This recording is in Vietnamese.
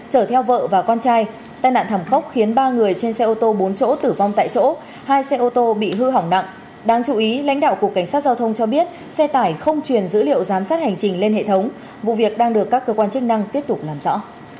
chở theo vợ và con trai tai nạn thảm khốc khiến ba người trên xe ô tô bốn chỗ tử vong tại chỗ hai xe ô tô bị hư hỏng nặng đáng chú ý lãnh đạo cục cảnh sát giao thông cho biết xe tải không truyền dữ liệu giám sát hành trình lên hệ thống vụ việc đang được các cơ quan chức năng tiếp tục làm rõ